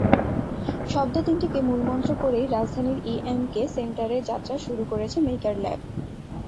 শব্দ তিনটিকে মূলমন্ত্র করেই রাজধানীর ইএমকে সেন্টারে যাত্রা শুরু করেছে মেকার ল্যাব।